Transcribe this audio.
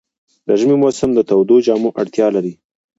د ژمي موسم د تودو جامو اړتیا لري.